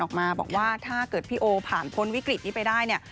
ออกมาบอกว่าถ้าเกิดพี่โอผ่านพ้นวิกฤตนี้ไปได้เนี่ย